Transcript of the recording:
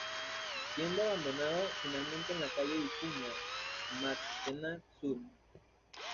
Siendo abandonado finalmente en la Calle Vicuña Mackenna Sur.